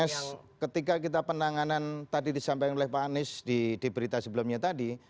mas ketika kita penanganan tadi disampaikan oleh pak anies di berita sebelumnya tadi